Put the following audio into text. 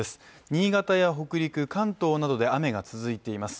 新潟や北陸、関東などで雨が続いています。